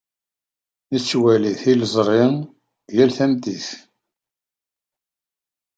Nettwali tiliẓri yal tameddit.